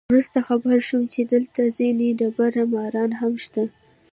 وروسته خبر شوم چې دلته ځینې دبړه ماران هم شته.